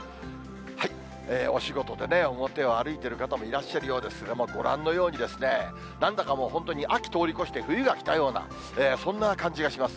お仕事でね、表を歩いている方もいらっしゃるようですけども、ご覧のように、なんだかもう、本当に秋通り越して、冬が来たような、そんな感じがします。